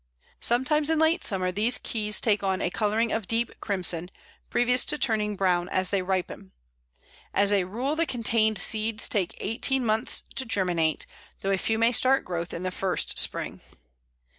Sometimes in late summer these "keys" take on a colouring of deep crimson, previous to turning brown as they ripen. As a rule the contained seeds take eighteen months to germinate, though a few may start growth the first spring.